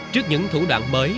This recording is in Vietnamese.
trước những thủ đoạn mới